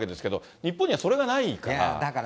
日本にはそれがないから。